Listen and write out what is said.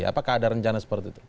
apakah ada rencana seperti itu